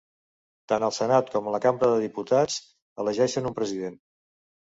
Tant el Senat com la Cambra de Diputats elegeixen un president.